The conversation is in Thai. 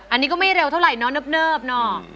อันนี้ก็ไม่เร็วเท่าไหรเนอะเนิบเนอะ